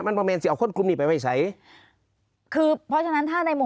มันเมมนซิเอาเป็นคุณไปไฟใสคือเพราะฉะนั้นถ้าในมหัว